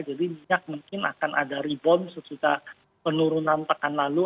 jadi minyak mungkin akan ada rebound sesudah penurunan tekan lalu